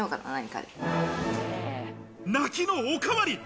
泣きのおかわり！